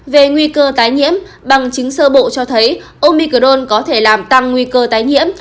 về nguy cơ tái nhiễm bằng chứng sơ bộ cho thấy omicron có thể làm tăng nguy cơ tái nhiễm